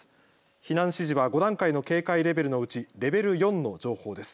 避難指示は５段階の警戒レベルのうちレベル４の情報です。